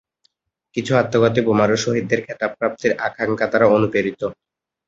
কিছু আত্মঘাতী বোমারু শহীদের খেতাব প্রাপ্তির আকাঙ্ক্ষা দ্বারা অনুপ্রাণিত।